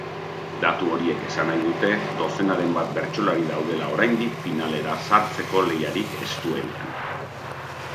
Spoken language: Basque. Datu horiek esan nahi dute dozenaren bat bertsolari daudela oraindik finalera sartzeko lehiarik estuenean.